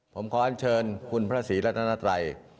ผมขออันเชิญคุณพระศรีรัตนัตรัย